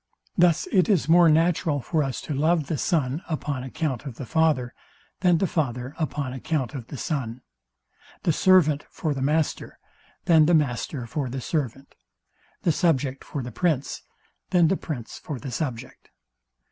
Thus it is more natural for us to love the son upon account of the father, than the father upon account of the son; the servant for the master, than the master for the servant; the subject for the prince, than the prince for the subject.